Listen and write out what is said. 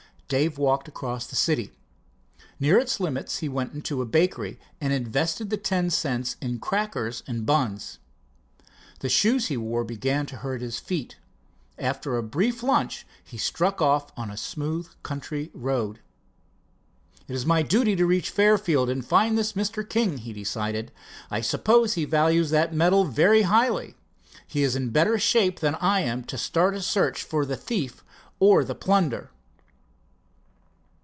Dave walked across the city. Near its limits he went into a bakery and invested the ten cents in crackers and buns. The shoes he wore began to hurt his feet. After a brief lunch he struck off on a smooth country road. "It's my duty to reach Fairfield and find this Mr. King," he decided. "I suppose he values that medal very highly. He is in better shape than I am to start a search for the thief or the plunder."